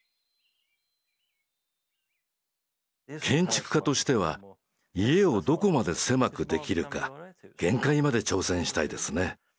建築家としては家をどこまで狭くできるか限界まで挑戦したいですね。